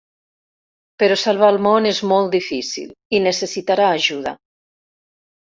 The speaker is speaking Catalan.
Però salvar el món és molt difícil i necessitarà ajuda.